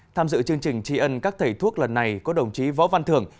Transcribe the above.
tham dự chương trình tri ân các thầy thuốc lần này có đồng chí võ văn thường